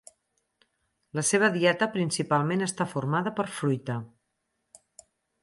La seva dieta principalment està formada per fruita.